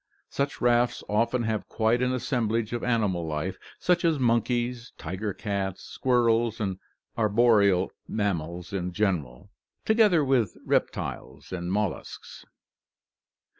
Such rafts often have quite an assemblage of animal life, such as monkeys, tiger cats, squirrels, and arboreal mammals in general, together with reptiles and molluscs.